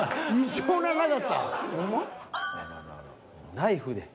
ナイフで。